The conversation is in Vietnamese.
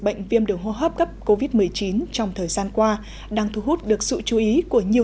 bệnh viêm đường hô hấp cấp covid một mươi chín trong thời gian qua đang thu hút được sự chú ý của nhiều